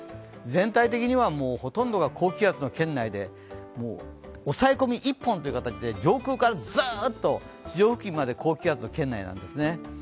全体的にはほとんどが高気圧の圏内で抑え込み一本という形で上空からぐーっと地上付近まで高気圧の圏内なんですね。